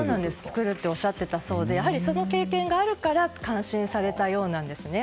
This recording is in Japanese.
作るとおっしゃっていたそうでその経験があるから感心されたそうなんですね。